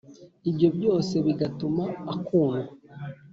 ibyo byose bigatuma akundwa